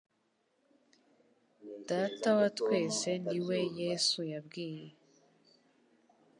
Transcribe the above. Data wa twese ni we Yesu yabwiye